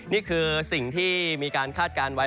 นี่คือสิ่งที่มีการคาดการณ์ไว้